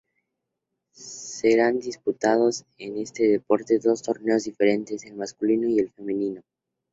Serán disputados en este deporte dos torneos diferentes, el masculino y el femenino.